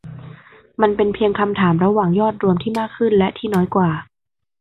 มันเป็นเพียงคำถามระหว่าง ยอดรวมที่มากขึ้นและที่น้อยกว่า